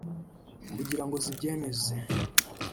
kugira ngo zibyemeze